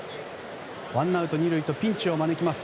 ワンアウト２塁とピンチを招きます。